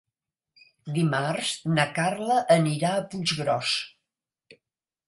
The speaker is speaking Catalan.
Dimarts na Carla anirà a Puiggròs.